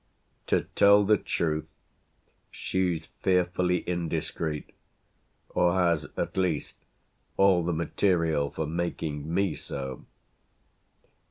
To tell the truth she's fearfully indiscreet, or has at least all the material for making me so.